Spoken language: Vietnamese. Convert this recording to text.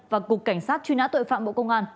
và cục cảnh sát truy nã tội phạm bộ công an